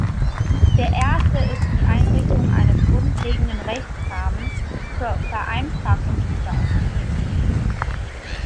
Der erste ist die Einrichtung eines grundlegenden Rechtsrahmens zur Vereinfachung dieser Unternehmen.